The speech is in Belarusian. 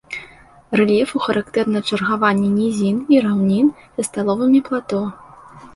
Рэльефу характэрна чаргаванне нізін і раўнін са сталовымі плато.